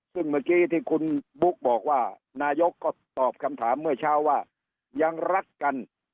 ซึ่งเมื่อกี้ที่คุณบุ๊กบอกว่านายกก็ตอบคำถามเมื่อเช้าว่ายังรักกัน